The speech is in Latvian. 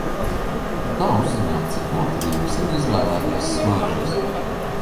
Kā uzzināt cik noturīgas ir izvēlētās smaržas?